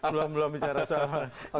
belum belum bicara soal